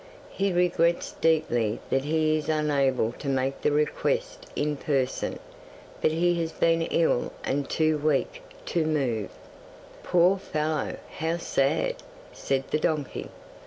He regrets deeply that he is unable to make the request in person, but he has been ill and is too weak to move." '"Poor fellow! How sad!" said the donkey.